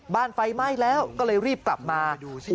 ไฟไหม้แล้วก็เลยรีบกลับมา